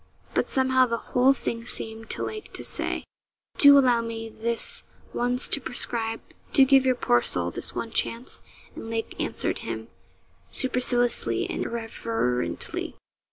But somehow the whole thing seemed to Lake to say, 'Do allow me this once to prescribe; do give your poor soul this one chance,' and Lake answered him superciliously and irreverently.